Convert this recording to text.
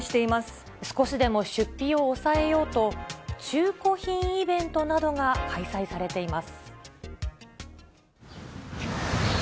少しでも出費を抑えようと、中古品イベントなどが開催されています。